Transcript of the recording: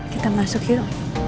kita masuk yuk